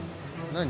何？